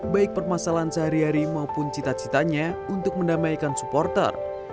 baik permasalahan sehari hari maupun cita citanya untuk mendamaikan supporter